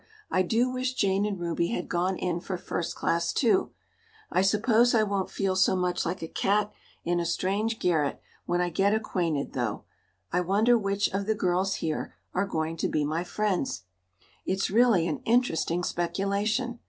I do wish Jane and Ruby had gone in for First Class, too. I suppose I won't feel so much like a cat in a strange garret when I get acquainted, though. I wonder which of the girls here are going to be my friends. It's really an interesting speculation.